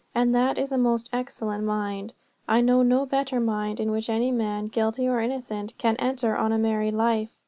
And that is a most excellent mind. I know no better mind in which any man, guilty or innocent, can enter on a married life.